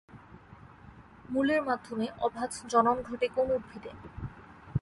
মুলের মাধ্যমে অভাজ জনন ঘটে কোন উদ্ভিদে?